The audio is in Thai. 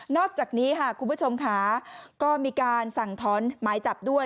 อกจากนี้ค่ะคุณผู้ชมค่ะก็มีการสั่งถอนหมายจับด้วย